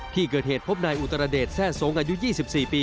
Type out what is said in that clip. ที่เกิดเหตุพบนายอุตรเดชแทร่ทรงอายุ๒๔ปี